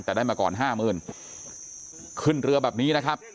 แต่ได้มาก่อนห้าหมื่นขึ้นเรือแบบนี้นะครับ